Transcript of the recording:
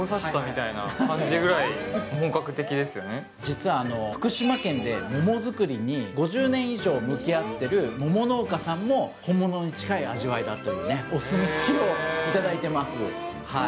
実は福島県で桃作りに５０年以上向き合っている桃農家さんからも本物に近い味わいだというお墨付きをいただいております。